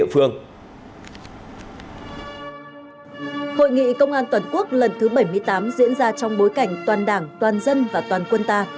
hội nghị công an toàn quốc lần thứ bảy mươi tám diễn ra trong bối cảnh toàn đảng toàn dân và toàn quân ta